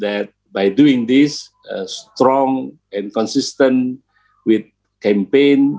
dan saya berharap dengan melakukan ini dengan kuat dan konsisten dengan kampanye